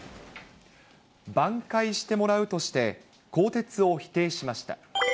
挽回してもらうとして、更迭を否定しました。